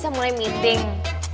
kalau kamu keluar nemuin dia